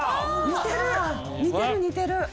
似てる似てる。